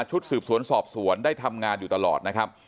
ชุดสืบสวนสอบสวนได้ทำงานอยู่ตลอดนะครับ